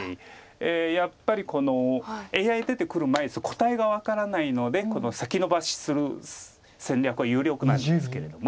やっぱりＡＩ出てくる前答えが分からないので先延ばしにする戦略は有力なんですけれども。